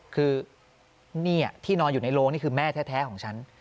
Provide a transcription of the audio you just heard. คือนี่ที่นอนอยู่ในโรงนี่คือแม่แท้ของฉัน